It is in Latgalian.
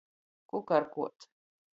Kukarkuot.